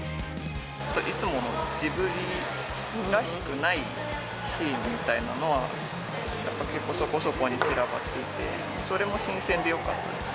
いつものジブリらしくないシーンみたいなのは、やっぱ結構、そこそこに散らばっていて、それも新鮮でよかったです。